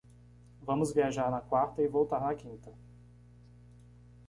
Vamos viajar na quarta e voltar na quinta